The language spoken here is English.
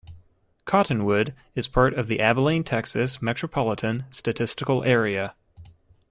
Cottonwood is part of the Abilene, Texas Metropolitan Statistical Area.